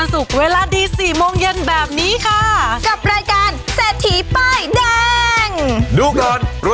สวัสดีครับ